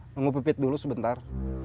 nunggu pipit dulu sebentar